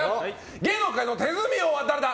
芸能界の手積み王は誰だ！？